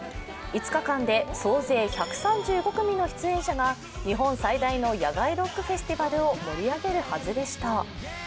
５日間で総勢１３５組の出演者が日本最大の野外ロックフェスティバルを盛り上げるはずでした。